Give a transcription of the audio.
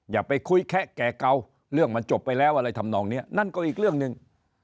อย่าไปคุยแคะแก่เก่าเรื่องมันจบไปแล้วอะไรทำนองนี้นั่นก็อีกเรื่องหนึ่ง